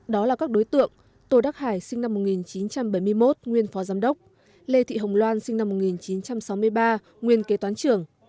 đó là các đối tượng tô đắc hải sinh năm một nghìn chín trăm bảy mươi một nguyên phó giám đốc lê thị hồng loan sinh năm một nghìn chín trăm sáu mươi ba nguyên kế toán trưởng